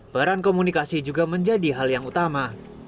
peran komunikasi juga menjadi hal yang utama